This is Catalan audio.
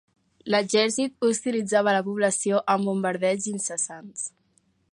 L'exèrcit hostilitzava la població amb bombardeigs incessants.